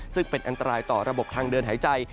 ซึ่งเป็นอันตรายต่อระบบทางเดินหายใจ